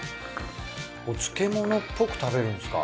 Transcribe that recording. お漬物っぽく食べるんですか？